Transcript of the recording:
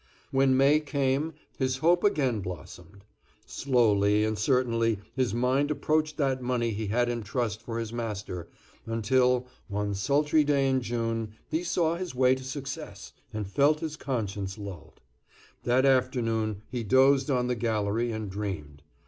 When May came, his hope again blossomed. Slowly and certainly his mind approached that money he had in trust for his master, until, one sultry day in June, he saw his way to success, and felt his conscience lulled. That afternoon he dozed on the gallery and dreamed.